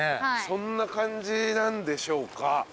そんな感じなんでしょうか？